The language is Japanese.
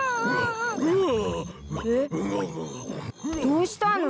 どうしたの？